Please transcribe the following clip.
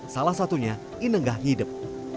salah satunya inenggah hidup